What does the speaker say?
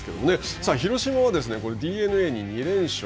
さあ、広島はＤｅＮＡに２連勝。